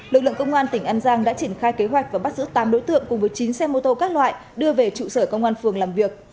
lực lượng công an tỉnh an giang đã triển khai kế hoạch và bắt giữ tám đối tượng cùng với chín xe mô tô các loại đưa về trụ sở công an phường làm việc